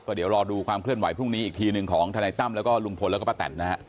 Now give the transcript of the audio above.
เดี๋ยวรอดูความเคลื่อนไหวพรุ่งนี้อีกทีหนึ่งของทนายตั้มแล้วก็ลุงพลแล้วก็ป้าแตนนะฮะ